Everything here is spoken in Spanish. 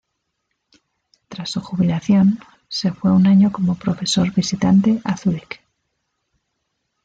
Tras su jubilación, se fue un año como profesor visitante a Zúrich.